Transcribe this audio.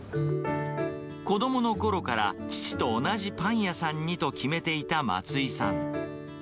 子どものころから父と同じパン屋さんにと決めていた松井さん。